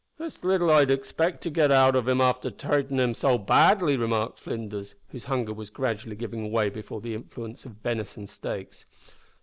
"It's little I'd expect to git out of him after tratin' him so badly," remarked Flinders, whose hunger was gradually giving way before the influence of venison steaks.